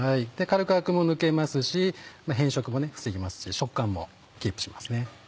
軽くアクも抜けますし変色も防ぎますし食感もキープしますね。